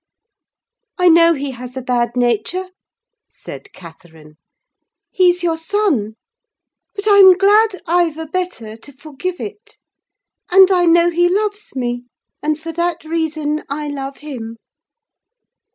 "I know he has a bad nature," said Catherine: "he's your son. But I'm glad I've a better, to forgive it; and I know he loves me, and for that reason I love him.